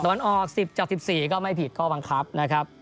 วันออก๑๐จาก๑๔ก็ไม่ผิดข้อบังคับนะครับ